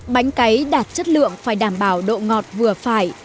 bánh cấy đạt chất lượng phải đảm bảo độ ngọt vừa phải